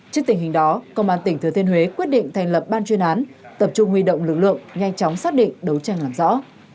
trước tình hình đó công an tỉnh thừa thiên huế quyết định thành lập ban chuyên án tập trung huy động lực lượng nhanh chóng xác định đấu tranh làm rõ